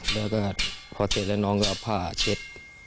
แล้วก็พอเสร็จแล้วน้องก็เอาผ้าเช็ด